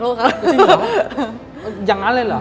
จริงเหรออย่างงั้นเลยหรอกค่ะ